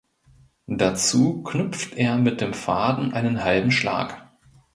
Dazu knüpft er mit dem Faden einen halben Schlag.